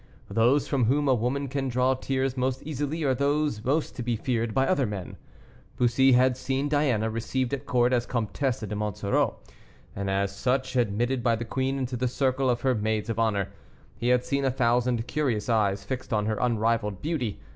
Those from whom a woman can draw tears most easily are those most to be feared by other men. Bussy had seen Diana received at court as Comtesse de Monsoreau, and as such admitted by the queen into the circle of her maids of honor; he had seen a thousand curious eyes fixed on her unrivaled beauty.